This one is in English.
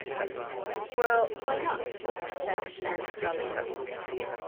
'Well, why not?' said Aunt Dahlia.